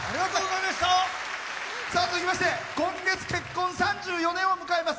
続きまして今月結婚３４年を迎えます。